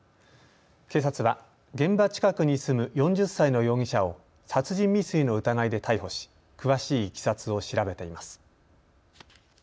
警察は、現場近くに住む４０歳の容疑者を殺人未遂の疑いで逮捕し詳しいいきさつを調べています。